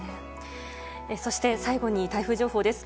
そして最後に台風情報です。